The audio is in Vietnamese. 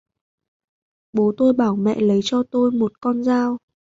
Bố tôi bảo mẹ lấy cho tôi một con dao